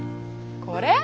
これ？